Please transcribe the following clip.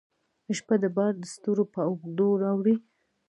شپه ده بار دستورو په اوږو راوړي